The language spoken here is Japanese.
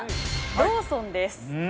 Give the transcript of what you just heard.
ローソンです。